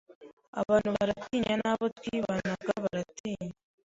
abantu barantinya n’abo twibanaga barantinya